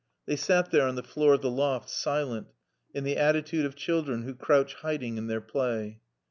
They sat there on the floor of the loft, silent, in the attitude of children who crouch hiding in their play.